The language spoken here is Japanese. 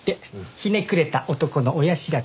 ひねくれた男の親知らず